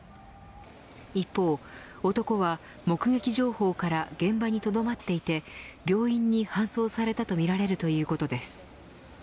一方、男は目撃情報から現場にとどまっていて病院に搬送されたとみられるということです。